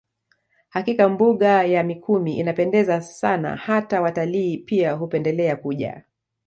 Hakika mbuga ya Mikumi inapendeza Sana hata watalii pia hupendelea kuja